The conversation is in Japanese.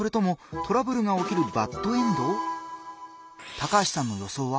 高橋さんの予想は？